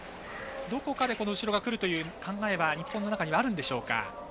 どこかで後ろがくるという考えは日本の中にはあるんでしょうか。